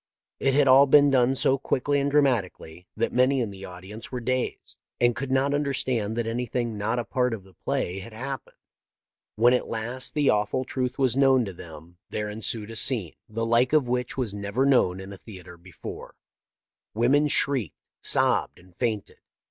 " It had all been done so quickly and dramati cally that many in the audience were dazed, and could not understand that anything not a part of the play had happened. When, at last, the awful truth was known to them there ensuecj a scene, the 568 THE LIFE OF LINCOLN. like of which was never known in a theatre before. Women shrieked, sobbed, and fainted.